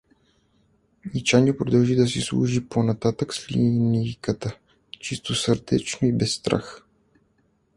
И Чаню продължи да си служи по-нататък с линийката, чистосърдечно и без страх.